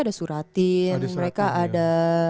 ada suratin mereka ada